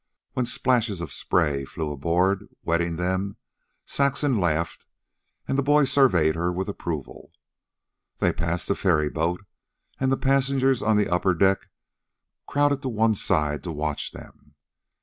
When splashes of spray flew aboard, wetting them, Saxon laughed, and the boy surveyed her with approval. They passed a ferryboat, and the passengers on the upper deck crowded to one side to watch them.